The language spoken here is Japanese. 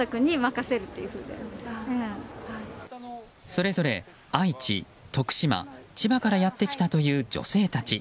それぞれ愛知、徳島、千葉からやってきたという女性たち。